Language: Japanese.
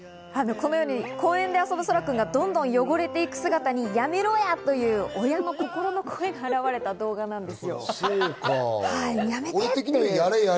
このように公園で遊ぶそらくんがどんどん汚れていく姿に「やめろや」という親の心の声が現れた動画なんです。